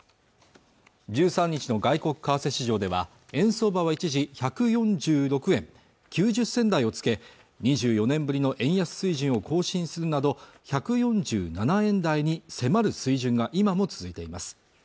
１３日の外国為替市場では円相場は一時１４６円９０銭台をつけ２４年ぶりの円安水準を更新するなど１４７円台に迫る水準が今も続いています